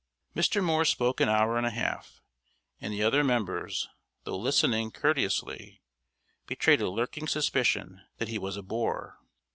Mr. Moore spoke an hour and a half, and the other members, though listening courteously, betrayed a lurking suspicion that he was a bore.